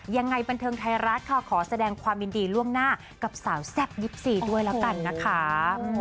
ยังไงบันเทิงไทยรัฐค่ะขอแสดงความยินดีล่วงหน้ากับสาวแซ่บ๒๔ด้วยแล้วกันนะคะ